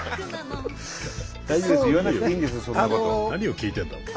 何を聞いてんだ？